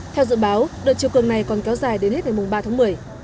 theo dự báo đợt chiều cường này còn kéo dài đến hết ngày ba tháng một mươi